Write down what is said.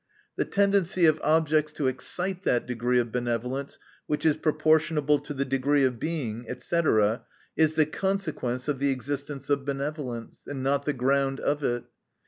The tendency of objects to excite that degree of benevolence, which is proportionable to the degree of e Being, &c, is the consequence of the existence of benevolence ; and not the ground of it.